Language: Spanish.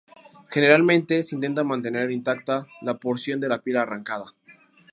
Generalmente se intenta mantener intacta la porción de la piel arrancada.